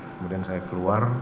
kemudian saya keluar